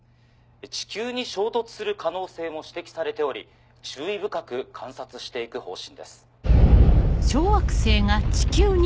地球に衝突する可能性も指摘されており注意深く観察していく方針です。